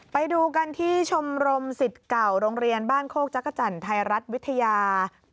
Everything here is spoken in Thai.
ไปดูกันที่ชมรมสิทธิ์เก่าโรงเรียนบ้านโคกจักรจันทร์ไทยรัฐวิทยา